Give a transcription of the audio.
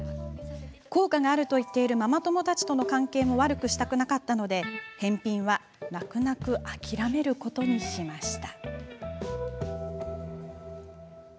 効果があると言っているママ友たちとの関係も悪くしたくなかったので返品は泣く泣く諦めることにしました。